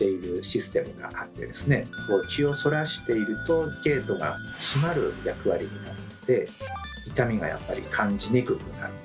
気をそらしているとゲートが閉まる役割になって痛みが感じにくくなるんですよね。